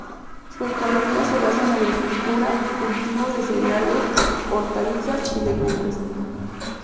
Su economía se basa en la agricultura, cultivo de cereales, hortalizas y legumbres.